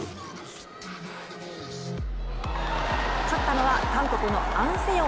勝ったのは韓国のアン・セヨン。